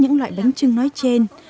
những loại bánh trưng nói trên